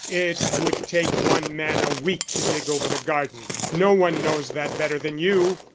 "It would take one man a week to dig over the garden. No one knows that better than you."